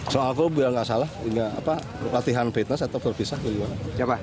soal aku bilang nggak salah latihan fitness atau terpisah